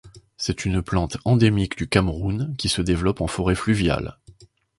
C'est une plante endémique du Cameroun, qui se développe en forêt fluviale.